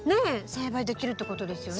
栽培できるってことですよね。